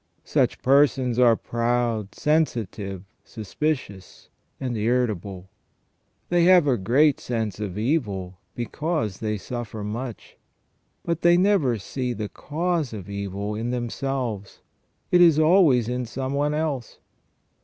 Such persons are proud, sensitive, suspicious, and irritable; they have a great sense of evil, because they suffer much, but they never see the cause of evil in themselves — it is always ON E VIL AND THE ORIGIN OF E VIZ. 173 in isome one else.